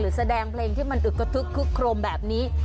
หรือแสดงเพลงที่มันอึกฐก้กคลมแบบนี้